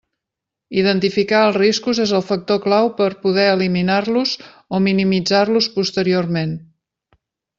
Identificar els riscos és el factor clau per poder eliminar-los o minimitzar-los posteriorment.